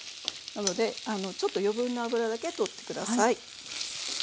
なのでちょっと余分な脂だけ取って下さい。